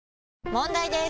問題です！